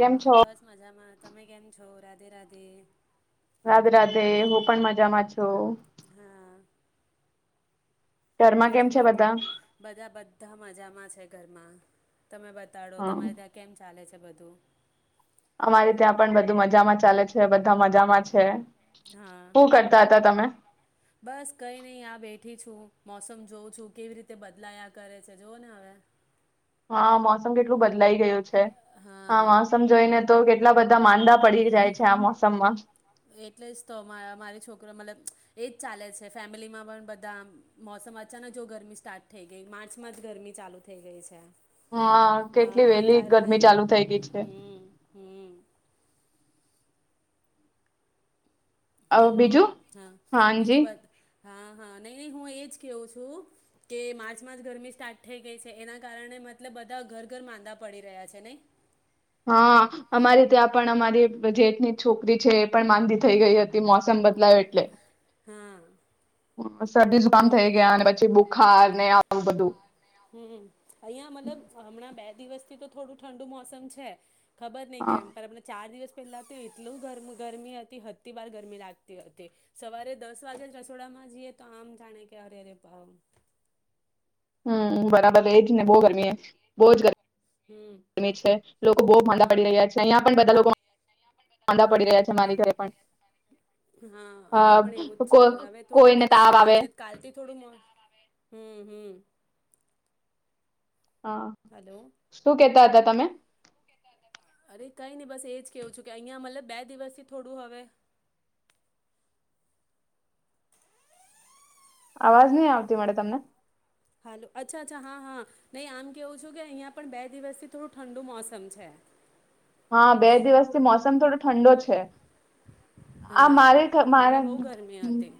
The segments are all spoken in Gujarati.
કેમ છો [inaudible] રાઘે રાઘે હું પણ મજામાં છું. હા ઘરમાં કેમ બીજું છે બધા બધા બધાં મજામાં છે. ધરમાં તમે બતાડો હ તમારે ત્યાં કેમ ચાલે છે? ને બધું. અમારે ત્યાં પણ બધું મજામાં ચાલે છે બધાં મજામાં છે. હા શું કરતા હતા તમે બસ કઈ નય આ બેઠી છું. મોસમ જોઉં છું કેવી રીતે બદલાયા કરે છે જોવોને હવે. હા મોસમ કેટલું બદલાઈ ગયું છે. હા મોસમ જોઈને તો કેટ એટલા બધા માંદા પડી જાય છે આ મોસમમાં. એટલે જ તો મારો છોકરો મતલબ એજ ચાલે છે ફેમિલીમાં પણ બધા મોસમ અચાનક જો ગરમી સ્ટાર્ટ થઈ ગઈ માર્ચમાં જ ગરમી ચાલુ થઈ ગઈ છે. હા હા કેટલી એ વેલી કારણે ગરમી ચાલુ થઈ ગઈ છે. હમ હમ અહ હલો બીજું હા હાજી બીજું. હા હા નય નય હું એજ કેવું છું કે માર્ચ મા ગરમી સ્ટાર્ટ થઈ ગઈ છે એના કારણે મતલબ બધા ઘર ઘર માંદા પડી રહ્યા છે ન હા અમારી ત્યાં પણ અમારી જેઠની છોકરી છે એ પણ માંદી થઈ ગઈ હતી મોસમ બદલાયો એટલે. હમ્મ. કામ થઈ ગયા અને પછી બુખાર ને આવું બધું. હમ થી તો થોડું ઠંડુ મોસમ છે. ખબર નહિ હા કેમ અમને ચાર દિવસ પેલા તો એટલું ગર ગરમી હતી અતિ વાર ગરમી લાગતી હતી સવારે દસ વાગે જ રસોડામાં જઈએ તો આમ જાણે [unintelligible] હમ્મ બરાબર એજ બહુ ગરમી હમ બહુ જ હમ ગરમી છે લોકો બહુ માંદા હમ પડી રહ્યા છે અહિયાં પણ બધા લોકો માંદા પડી રહ્યા છે મારી ઘરે પણ. હા એ પણ એવું જ અ કો છે પણ હવે થોડુંક કોઈને તાવ આવે આજે કાલથી થોડું હમ્મ હમ્મ હા હલો શું કેતા હતા? તમે. અરે કઈ નઈ બસ એજ કેવું છું કે અહિયાં મતલબ બે દિવસથી થોડું હવે અવાજ નહી આવતી મળે તમને? હ અચ્છા અચ્છા હા હા નહી આમ કેવું છું કે અહિયા પણ બે દિવસથી થોડું ઠંડુ મોસમ છે. હા બે દિવસથી મોસમ થોડો ઠંડો છે. આ હા મારે મને મારા બહુ ગરમી હમ્મ હતી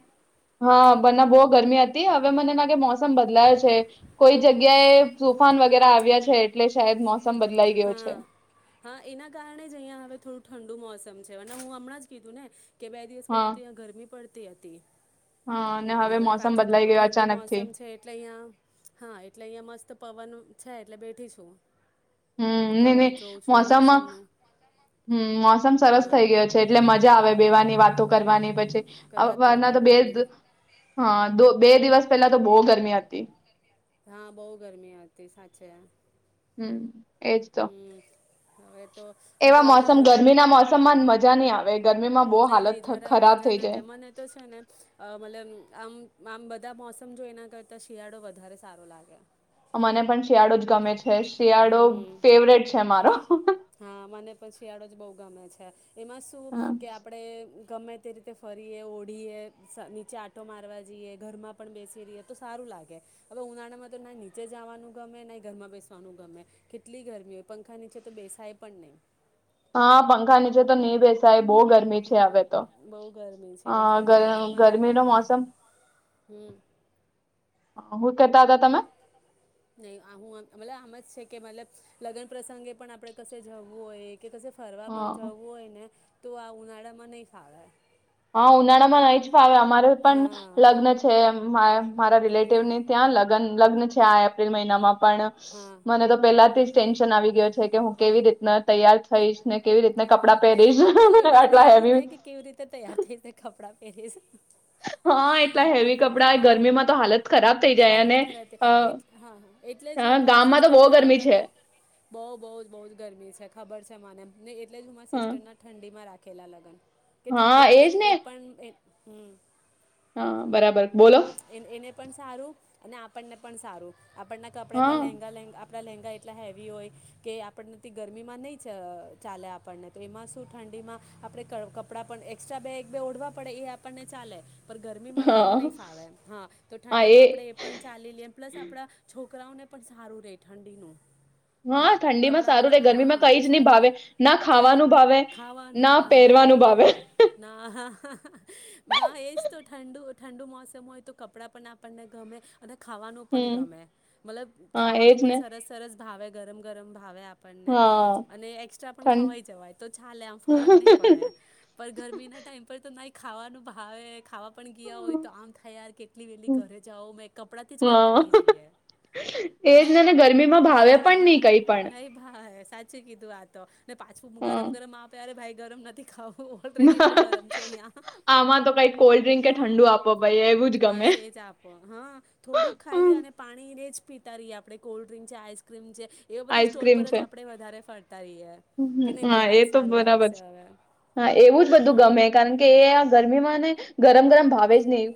હા બંને બહુ ગરમી હતી હવે મને લાગે મોસમ બદલાયો છે કોઈ જગ્યાએ તુફાન વગેરે આવ્યા છે એટલે શાયદ મોસ બદલાઈ ગયો હા છ હા એના કારણે જ અહિયાં હવે થોડું ઠંડુ મોસમ છે અને હું હમણાં જ કીધું ને કે બે દિવસ હા પહેલા તો ત્યા ગરમી પડતી હા [unintelligible] અને હવે મોસમ પાછું બદલાઈ થોડું ગયો ઠંડુ અચાનક થી મોસમ છે એટલે અહિયાં હા એટલે અહં મસ્ત પવન છે એટલે બેઠી છું. હમ્મ ની ની હવા જોઉં છું મોસમ મોસમનું હમ્મ મોસમ સરસ હા થઇ ગયો છે એટલે મજા આવે બેવાની વાત તો કરવાની પ વાતો ના તો બે કરવાની હા દો બે દિવસ પેલા તો બહુ ગરમી હતી હા બહુ ગરમી હતી સાચે હમ્મ એજ તો. હમ હવે તો એવા મોસમ ગરમીના મોસમમાં મજા નહી આવે ગરમીમાં બહુ નઈ નહી હાલત થ જરાય ખરાબ મજા થઈ ના તે જાય મને તો છે ને મતલબ આમ આમ બધ બધા મોસમ જો એના કરતાં શિયાળો વધારે સારો લાગે મને પણ શિયાળો જ ગમે છે. શિયાળો હમ ફેવરેટ છે મારો શિયોડો જ બો ગમે છે. એમાં શું કે આપડે ગમે તે રીતે ફરીએ ઓઢીએ નીચે આંટો મારવા જઈએ ઘરમાં પણ બેસી રહીએ તો સારું લાગે હવે ઉનાળામાં તો ના નીચે જવાનું ગમે નહી ઘરમાં બેસી. [unintelligible] ગમે કેટલી ગરમી હોય પંખા નીચે તો બેસાય પણ નહી. હા પંખા નીચે તો નહી બેસાાયબ. બો ગરમી છે હવે તો. હમ બહુ ગરમી છે અ એટલે જ તો નથી મને અને ગરમી રો મોસમ. હમ કેતા હતા તમે. નહી આ હું આ મતલબ આમ જ છે કે મતલબ લગ્ન પ્રસંગે પણ આપડે કશે જવું હોય. કે કછ ફરવા પણ હ જવું હોય ને તો આ ઉનાળામાં નહી ફાવે. હા ઉનાળામાં રહી જ. અમારે પણ હા લગ્ન છે એ. મારા રિલેટવની ત્યાં લગન લગ્ન છે આ એપ્રિલ મહિનામાં. પણ હા મને તો પેલાથી જ ટેન્શન આવી ગયો છે કે હું કેવી રીતના તૈયાર કે થઈશ ને કેવી રીતને કપડાં હા પહેરીશ આપણે આટલા હેવી. કપડા. એ છે. હા એટલા હેવી કપડાં હા ગરમીમાં તો હાલત ખરાબ થઈ જાય હાલત અને ખરા છે અ, હા એટલે જ હા, હું મારી ગામમાં તો સિસ્ટર બહુ ના ગરમી લગ્ન છે બહ બહ બહ જ ગરમી છે. [inaudible] ખબર છે મને. એટલે હું હા સિસ્ટરના ઠંડીમાં રાખી. ખલા લગન. [inaudible] કે હા ઠંડીમાં એજ શું એ ને પણ. હમ. [inaudible] હા બરાબર. બોલો એન એને. પણ સારું અને આપણને પણ સારું. આપણના કપડા હા એટલા લેહેંગા લેા. [inaudible] આપડા લેંગા એટલા હેવી હોય કે આપણને ગરમીમાં નહી ચાલે આપણને તો એમાં શું ઠંડીમાં આપણે કપડાં પણ એસ્ટ્રા બે એક બે ઓઢવા પડે એ આપણને ચાલે. પણ ગરમી માં આમ હા નહી. ખાવેમ હા તો ઠંડીમાં આપણે એ પણ ચાલી લએ પ્લસ આપણા છો છોકરાઓને પણ સારું રે ઠંડીનું. હા ઠંડી માં કપડાં સારું રહેે ગરમીમાં કઈ હા જ નહી સારું ભાવે રહે ના કંઈ ખાવાનું ભાવે ખાવાનું ના હા પહેરવાનું ભાવે. ના હા એ જ તો ઠંડુ ઠંડુ મોસમ. હોય તો કપડાં પણ આપણને ગમે. અને ખાવાનું પણ હમ ગમે મતલબ હા એજ ખાવાનું પણ ને સરસ સરસ. ભાવે ગરમ ગરમ ભાવે આપ પને હા અને એસ્ટ્રા પણ ખવા જવાય તો ચાલે આમ ફરક નહી પડે ઠંડ પણ ગરમી ના ટાઈમ પર તો નાઈ ખાવાનું ભાવે ખાવા પણ ગીયા હોય તો આમ થયાર કેટલી વેલી ઘરે જાઓ મેં કપડાથી જ હા કંટાળી જઈએ એજ નહી ને ને ગરમીમાં ભાવે હા હ પણ નહી કઈ પણ નહી ભા સાચું કીધું આ તો ને પાછું હા ગરમ ગરમ આપે અરે ભાઈ ગરમ નથી ખાઓ આમાં તો કઈક કોલ્ડ્રિંક કે ઠંડુ આપો ભાઈ એવું જ ગમે બસ એજ આપો હા થોડુંક ખાઈએ અને પાણી રેજ પીતા રહીએ આપણે કોલ્ડ્રિંક છે આઈસક્રીમ છે- એવો બધો સ્ટોલ આઈસ્ક્રીમ પર છે જ આપડે વધારે ફરતા રહીએ કે નહીં ભાઈ હા આજ એ તો સારું બરાબર લાગશે છે હવે હા એવું જ બધું હમ ગમે કારણ કે એ આ ગરમીમાં નેશગરમ ગરમ ભાવે જ નહી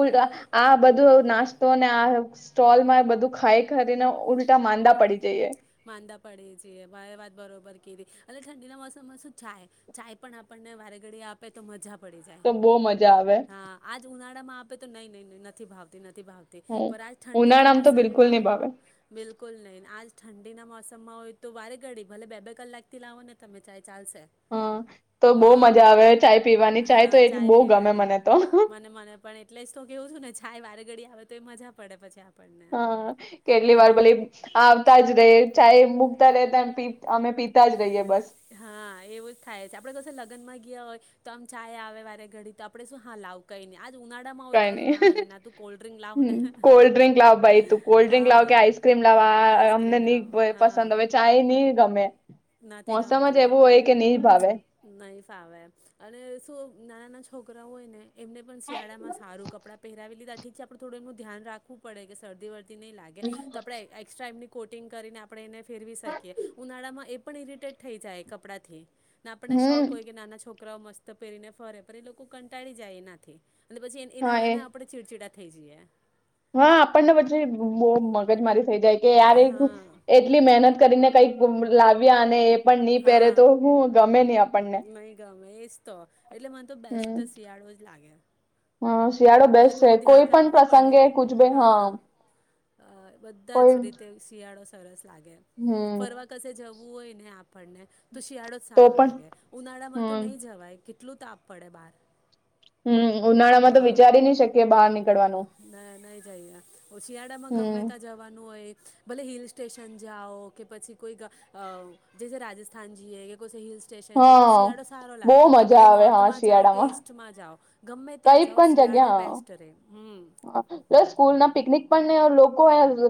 ઊલ આ બધું નાસ્તોને આ સ્ટોલ માં બધું ખાઈ કરીને ઉલ માંદા પડી જઈએ ભાએ વાત બરોબર ઠંડીના મોસમમાં શું ચાય ચાય પણ આપણને વારે ઘડીએ આપે તો મજા પડી જાય તો બહુ મજા આવે હા આજ ઉના ણ આપે તો નઈ નઈ નઈ‌ નથી ભાવતી ન થી ભાવતી હમ પણ આજ ઠંડીના ઉનાળામાં તો બિલકુલ નહી મોસમમાં ભાવે બિલ કુલ નહી આજ ઠંડીના મોસમમાં હોય તો વારે ગડી ભલે બે બે કલાક થી લાવો ને તમે ચાય ચાલસે હા તો બહુ હા મજા આવે ચાય પીવાની હા તો એટલી ચાય બહુ ગમે પીવાની મને તો મને મને પણ એટલે જ તો કેવું છું ને ચાય વારે ઘડી આવે તો એ મજા પડે પછી આપ હા કેટલી વાર ભલે આવતા જ રે ચાય મુકતા રેતા પી અમે પીતા જ રહીએ બસ. મા ગીયા હોય તો આમ ચાય આવે વારે ઘડી તો આપડે શું હા લાવ કઈની આજ ઉનાળામાં હોય કઈ તો અરે નઈ ના અરે ના તું કોલ્ડ્રિંક લાવ હ ને કોલ્ડ ડ્રિંક લાવ ભાઈ તું કોલ્ડ ડ્રિંક હા લાવ કે આઈસક્રીમ લાવ હા અમને આઈસક્રીમ ની લાવો હા પસંદ આવે ચાય ની ગમે. નથી મોસમ જ ગમતી એવું હોય કે નહી ભાવે હમ નહી ફાવે અને શું નાના છો છોકરા હોય ને એમને પણ શિયાળામાં સારું કપડાં પહેરાવી લીધા ઠીક છે આપણુ થોડું એમનું ધ્યાન રાખવું પડે કે શરદી વરદી ઠંડી ની લાગે તો આપણે એક્સ્ટ્રા એમની કોટિંગ કરીને આપણે એને ફેરવી શકીએ ઉનાળામાં એ એ પણ ઇરિટેટ થઈ જાય કપડાંથી. ના આપણને શોખ હોય કે નાના છોક છકરાઓ મસ્ત પહેરીને ફરે પણ એ લોકો કંટાળી જાય એનાથી. અને પછી એ નાના કારણે આપણે ચીડચિડા થ જએ. હા, આપણને પછી બો મગજ મારી થઈ જાય કે યાર હા એટલી મહેનત કરીને કઈક ગુમ લાવ્યા અને એ પણ ની પહેરે હા તો હું ગમે નહી આપણને નહીં ગમે તો એટલે મને તો બેસ્ટ શિયાળો જ લાગે હા ભલે થોડું ધ્યાન રાખવું પડે, કુછ ભી હા બધા કોઈ જ રીતે શિયાળો સરસ લાગે, હમ ફરવા કશે જવું હોય ને આપણને, તો શિયાળો જ તો સારો પણ લાગે ઉનાળામાં તો હમ ની જવાય કેટલું તાપ પડે બાર હમ, ઉનાળા માં તો વિચારી ને ના, નઈ જઈએ શિયાળા માં હમ ગમેતા જવાનું હોય ભલે હિલ સ્ટેશન જાઓ કે પછી કોઈક, જે રાજસ્થાન જીયેએ કે કોઈ હિલ સ્ટેશન જે તો હા શિયાળો સારો, બહુ લાગે મજા ભ આવે હા નોર્થમાં જાવ કે શિયાળામાં ઈસ્ટમાં જાવ ગમે ત્યાં જાવ શિયાળો હ, બેસ્ટ રહે હમ હ, સ્કૂલ ના પિકનિક આપણ લોકો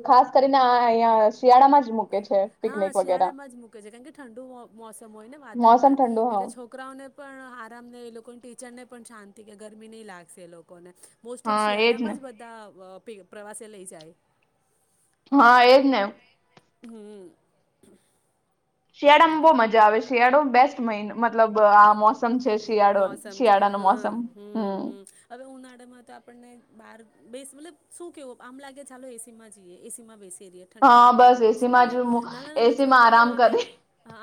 ખાસ કરીને અહીંયા શિયાળામાં જ મૂકે છે હા પિકનિક વગેરે શિયાળામાં જ મુૂકે છે કારણ કે ઠંડુ મોસમ હોય ને મોસમ વાતાવરણ ઠંડુ એટલે હા છોકરાઓને પણ આરામ ને એ લોકોની ટી ચને પણ શાંતિ કે ગરમી નહી લાગશે લોકોને મોસ્ટ ઓફ હા એજ શિયાળામાં ને જ બધા પ્રે પ્રવાસે લઈ જાય હા, એજ ને હમ શિયાળામાં બહુ મજા આવે શિયાળો બેસ્ટ મહિનો મતલબ આ મોસમ છે શિયાળો મોસમ છે શિયાળાનો હ, મોસમ હમ, હમ, હવે ઉનાળામાં તો આપણને બાર બેસ, મતલબ શું કેવો આમ લાગે ચાલો એસી માં જઈએ, એસી માં બેસી પહેરીએ ઠંડા હા બસ ઠંડામાં બેસી એસીમાં જ રહ્યા, નાના નાના એસીમાં છોકરાઓ આરામ એને કરી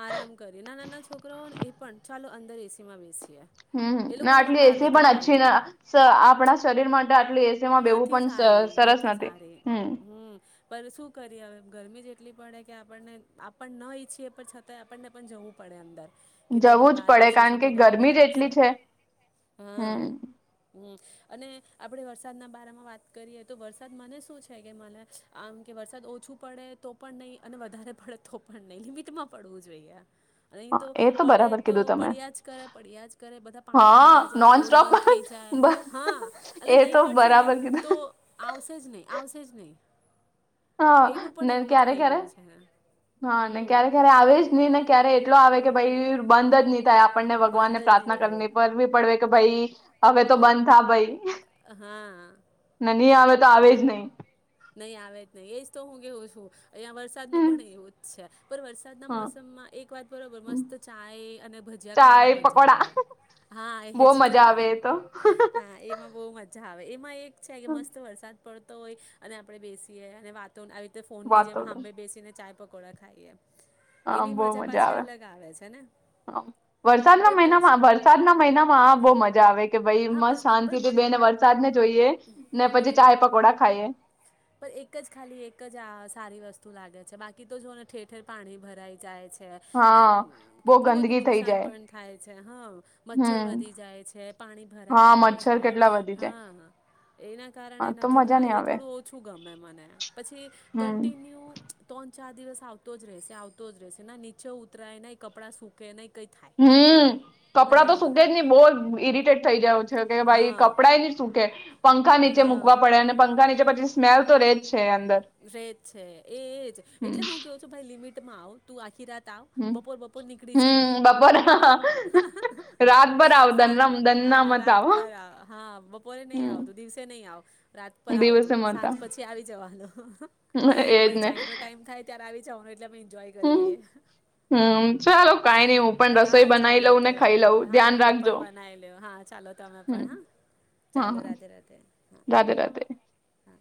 આરામ કરીએ નાના -નાના છોકરાઓને એ પણ ચાલો અંદર એસીમાં બેસી હમ, આટલી એસી પણ અંછી ફાવતું ના આપણા શરીર માટે આટલી એસી નથી સારી, નથી સારી હમ શું કરી કે હવે ગરમી જેટલી પડે કે આપણને આપણ ન ઈચ્છીએ પણ છતાંય આપણને પણ જવું પડે અંદર કે નહી ભાઈ જવું જ બહાર પડે બેસીશું કારણ કે તો ગરમી જ એટલી લાગશે છે હમ, હ અને આપડે વર્ષ વરસાદના બારામાં વાત કરીએ તો વરસાદ મને શું છે કે મને આમ કે વરસાદ ઓછું પડે તો પણ નહીં અને વધારે પડે તો પણ નહીં લિમિટમાં પડવું જોઈએ. નહી તો એ બરાબર પડે તો કીધું તમે પડ્યા જ કરે પડ્યા જ કરે બધા પાણી હા ભરાઈ જાય નોન રોડ સ્ટોપ બંધ થઈ જાય હા એટલે એ નહી તો છે ને બરાબર તો કીધું આવશે જ નહી આવશે જ નહી. [inaudible] હા ને ક્યારે-ક્યારે છે હા ને હમ ક્યારે ક્યારે આવેજ નહી ને ક્યારે એટલો આવે કે ભાઈ બંધ જ ની થાય આપણને ભગવાનને બંધ જ નહીં પ્રાર્થના કરની પર થાય કરવી પડે. કે ભઈ હવે તો બંધ થા ભઈ. હા. અમે ની આવે તો આવે જ નહી. નહી આવે જ નહી એજ તો હું કેવું છું અહંયા વરસાદ નું પણ એવું જ છે. પર વરસાદના હા મોસમમાં એક વાત બરોબર મસ્ત ચાય અને ભજીયા ખાવાની ચાય મજા પકોડા પડે હા એ બહુ છે મજા આવે એ તો હા એમાં બહું મજા આવે. એમાં એક છે કે મસ્ત વરસાદ પડ તો ઇ અને આપડે બેસીએ અને વાત તો આવી રીતે ફોનની વાતો જેમ હાભે બેસીને ચાય પકોડા ખાઈએ હા એની બોહ મજા પાછી આવે અલગ છે ને વરસાદના પણ મહિનામાં વરસાદ વરસાદના મહિનામાં આ બોહ મજા આવે કે ભાઈ હા મસ્ત બસ પણ શાંતિથી મને બેસી ને વરસાદ ને જોઈએ ને પછી હમ ચાય પકોડા ખાઈએ પણ એક જ ખાલી એક જ આ સારી વસ્તુ લાગે છે બાકી તો જોને ઠેર ઠેર પાણી ભરાઈ જાય છે હા બહુ કેટલું બધું ગંદકી થઈ નુકસાન જાય પણ થાય છે હા મચ્છર હમ વધી જાય છે પાણી ભરાઈ હા જાય મચ્છર છે કેટલા વધી જાય હા એના કારણે હા તો નથી મજા નઈ એ આવે થોડું ગમે મને પછી હમ કંટીન્યુ ત્રણ ચાર દિવસ આવતો જ રહેશે આવતો જ રહેશે ના નીચે ઉતરાય નઈ કપડાં સુકે નઈ હમ્મ કપડાં તો સુકે જ નહી બહુ ઈરિટેટ થઈ જાવ કે ભાઈ હા કપડા ઈ નઈ સુૂકે પંખા નીચે હા મૂકવા પડે અને પંખા નીચે પછી સ્મલ તો રે જ રેજ છે એજ હમ એટલે હું કેવું છું ભાઈ લિમિટ. માં આવ તું આખી રાત. હમ બપોર બપોર નીકળી જા હમ બપોરા રાતભર આવ સાંજ દનરામ હ દનના મત રાત આવો પર હા બપોરે નહી આવતું હમ દિવસે નહી આવ રાત પર દિવસે આવતું મત સાંજ આવ પછી આવી જવાનું. [unintelligible] એજ અમારે ને ચાઈ નો ટાઈમ થાય ત્યાં આવી જાઓ એટલે અમે જોય હમ કરીએ. હમ ચાલો કઈ નઈ હું પણ રસોઈ હા બનાવી ચાલો લઉં તો ને ખાઈ લઉં ધ્યાન હા હું રાખજો પણ બનાઈ લઉં હા ચાલો તમે હમ પણ હા હા ચાલો હા રાધે રાધે હા. રાધે રાધે હા.